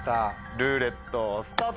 ルーレットスタート！